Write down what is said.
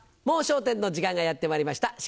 『もう笑点』の時間がやってまいりました。